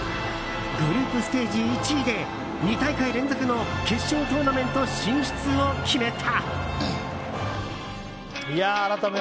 グループステージ１位で２大会連続の決勝トーナメント進出を決めた。